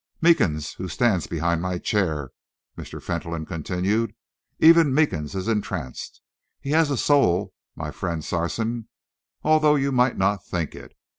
"Meekins, who stands behind my chair," Mr. Fentolin continued, "even Meekins is entranced. He has a soul, my friend Sarson, although you might not think it.